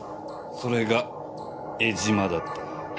それが江島だった。